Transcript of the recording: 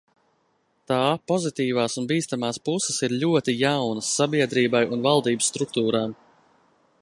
Tā pozitīvās un bīstamās puses ir ļoti jaunas sabiedrībai un valdības struktūrām.